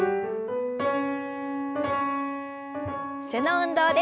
背の運動です。